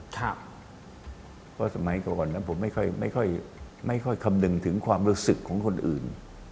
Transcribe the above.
เพราะสมัยก่อนนั้นผมไม่ค่อยคำนึงถึงความรู้สึกของคนอื่น